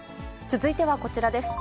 続いてはこちらです。